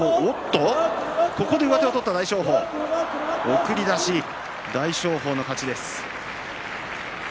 送り出し大翔鵬の勝ちです。